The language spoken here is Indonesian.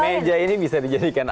meja ini bisa dijadikan